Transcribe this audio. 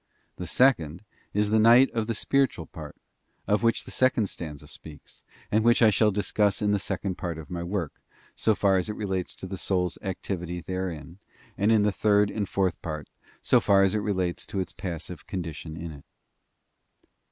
The second is the night of the spiritual part, of which the second stanza speaks, and which I shall discuss in the second part of my work, so far as it NATURE AND CAUSE OF THE OBSCURE NIGHT. 9 &°° relates to the soul's activity therein, and in the third and CHAP. fourth part, so far as it relates to its passive condition in it.